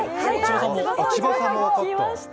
千葉さんも分かった。